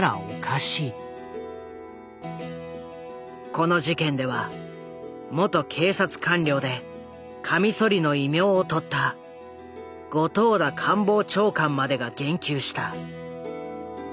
この事件では元警察官僚で「カミソリ」の異名を取った後藤田官房長官までが言及した。